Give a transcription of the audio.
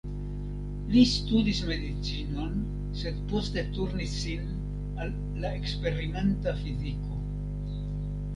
Li studis medicinon, sed poste turnis sin al la eksperimenta fiziko.